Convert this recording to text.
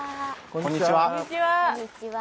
こんにちは。